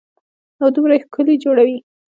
او دومره يې ښکلي جوړوي.